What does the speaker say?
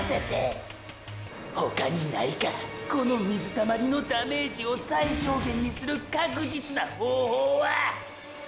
他にないかこの水たまりのダメージを最小限にする確実な方法は！！